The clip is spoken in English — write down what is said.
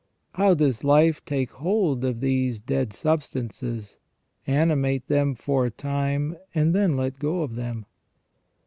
How does life take hold of these dead substances, animate them for a time, and then let go of them